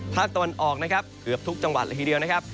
ภาคตะวันออกนะครับเกือบทุกจังหวัดละทีเดียวนะครับ